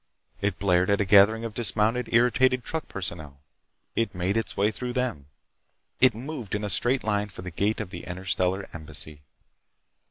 It blared at a gathering of dismounted, irritated truck personnel. It made its way through them. It moved in a straight line for the gate of the Interstellar Embassy.